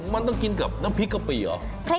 มันต้องกินกับน้ำพริกกะปิเหรอ